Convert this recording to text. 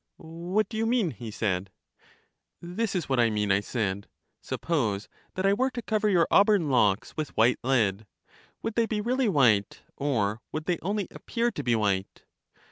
What do you mean? he said. This is what I mean, I said : Suppose that I were to cover your auburn locks with white lead, would they be really white, or would they only appear to be white